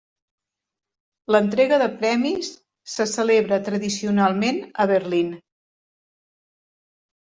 L'entrega de premis se celebra tradicionalment a Berlín.